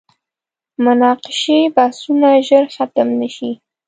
مناقشې بحثونه ژر ختم نه شي.